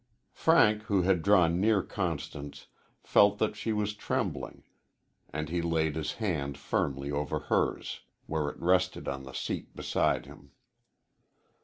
Frank, who had drawn near Constance, felt that she was trembling, and he laid his hand firmly over hers, where it rested on the seat beside him.